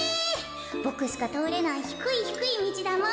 ボクしかとおれないひくいひくいみちだもん。